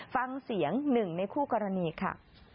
ฟังเสียงหนึ่งในคู่กรณีค่ะ